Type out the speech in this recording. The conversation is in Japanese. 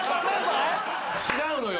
違うのよ。